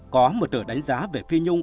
có một tựa đánh giá về phi nhung